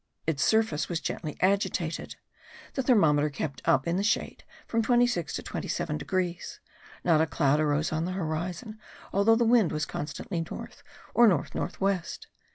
Its surface was gently agitated. The thermometer kept up, in the shade, from 26 to 27 degrees; not a cloud arose on the horizon although the wind was constantly north, or north north west.